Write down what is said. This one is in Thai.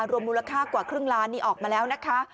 รวมมูลค่ากว่าครึ่งล้านนี่ออกมาแล้วนะคะ